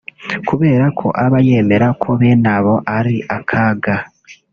kubera ko aba yemera ko bene abo ari akaga